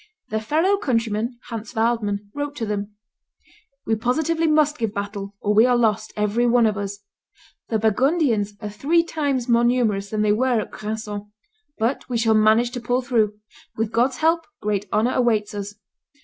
Their fellow countryman, Hans Waldmann, wrote to them, "We positively must give battle or we are lost, every one of us. The Burgundians are three times more numerous than they were at Granson, but we shall manage to pull through. With God's help great honor awaits us.